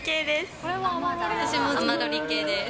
私も甘ロリ系です。